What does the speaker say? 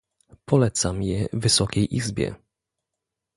Polecam je Wysokiej Izbie